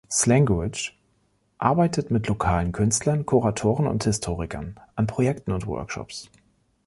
Slanguage arbeitet mit lokalen Künstlern, Kuratoren und Historikern an Projekten und Workshops.